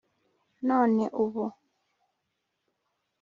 none ubu